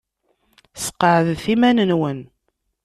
Sqeɛdet iman-nwen.